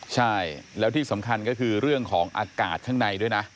ใช่แล้วที่สำคัญก็คือเรื่องของอากาศข้างในด้วยนะ